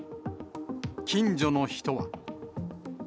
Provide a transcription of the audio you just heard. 近所の人は。